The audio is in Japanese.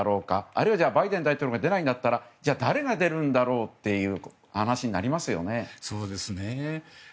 あるいはバイデン大統領が出ないんだったらじゃあ、誰が出るんだろうという話になりますよね。